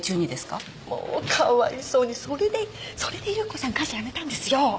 もうかわいそうにそれでそれで夕子さん会社辞めたんですよ。